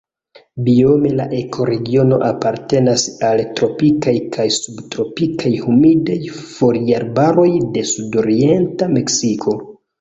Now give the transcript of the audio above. Biome la ekoregiono apartenas al tropikaj kaj subtropikaj humidaj foliarbaroj de sudorienta Meksiko.